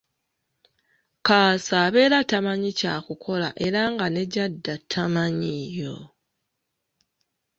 Kaasa abeera tamanyi kyakukola era nga ne gyadda tamanyiiyo.